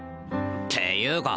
っていうか